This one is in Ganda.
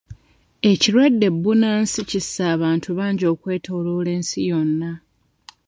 Ekirwadde bbunansi kisse abantu bangi okwetooloola ensi yonna.